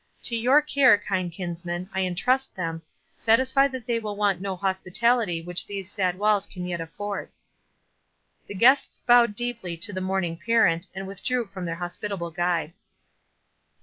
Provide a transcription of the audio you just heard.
To your care, kind kinsman, I intrust them, satisfied that they will want no hospitality which these sad walls can yet afford." The guests bowed deeply to the mourning parent, and withdrew from their hospitable guide.